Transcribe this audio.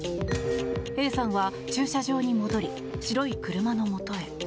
Ａさんは駐車場に戻り白い車のもとへ。